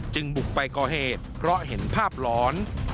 บุกไปก่อเหตุเพราะเห็นภาพหลอน